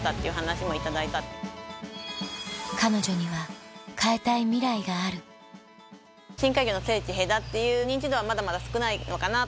彼女には変えたいミライがある深海魚の聖地戸田っていう認知度はまだまだ少ないのかな。